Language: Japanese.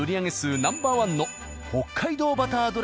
ナンバーワンの北海道バターどら